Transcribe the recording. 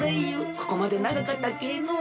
ここまでながかったけえのう。